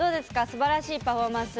すばらしいパフォーマンス。